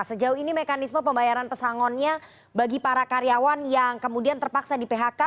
sejauh ini mekanisme pembayaran pesangonnya bagi para karyawan yang kemudian terpaksa di phk